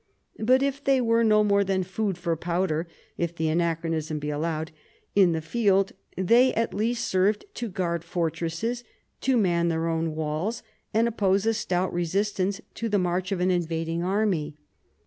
But if they were no more than " food for powder "— if the anachronism be allowed — in the field, they at least served to guard fortresses, to man their own walls, and oppose a stout resistance to the march of an invading army.